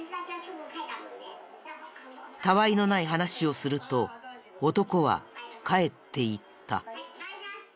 たわいのない話をすると男は帰っていった。